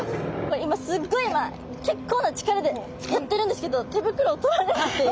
今すっごい結構な力でやってるんですけど手ぶくろ取られるっていう。